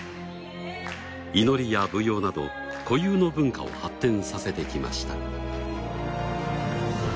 祈りや舞踊など固有の文化を発展させてきました。